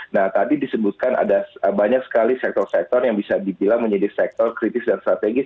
nah tadi disebutkan ada banyak sekali sektor sektor yang bisa dibilang menjadi sektor kritis dan strategis